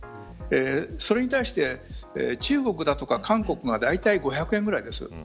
それに対して、中国だとか韓国はだいたい５００円ぐらいです。